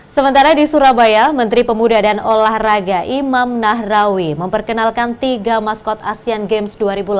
sementara di surabaya menteri pemuda dan olahraga imam nahrawi memperkenalkan tiga maskot asean games dua ribu delapan belas